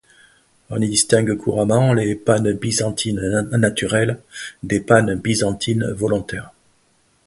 On distingue couramment les pannes byzantines naturelles des pannes byzantines volontaires.